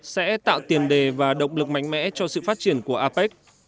sẽ tạo tiền đề và động lực mạnh mẽ cho sự phát triển của apec